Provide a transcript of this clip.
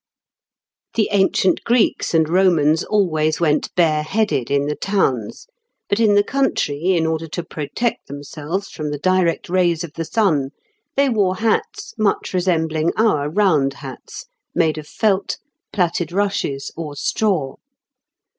The ancient Greeks and Romans always went bareheaded in the towns; but in the country, in order to protect themselves from the direct rays of the sun, they wore hats much resembling our round hats, made of felt, plaited rushes, or straw.